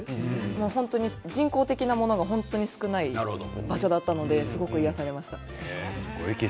本当に人工的なものが少ない場所だったので癒やされました。